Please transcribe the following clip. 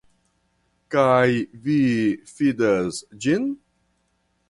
Kaj vi fidas ĝin?